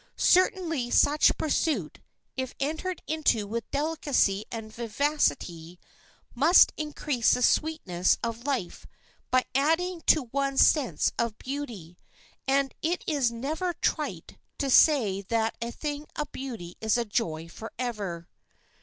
Certainly such a pursuit, if entered into with delicacy and vivacity, must increase the sweetness of life by adding to one's sense of beauty; and it is never trite to say that a thing of beauty is a joy forever.